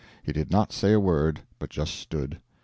He did not say a word but just stood.